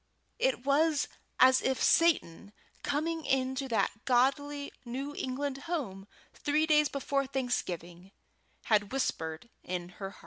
It was as if Satan, coming into that godly new England home three days before Thanksgiving, had whispered in her ear.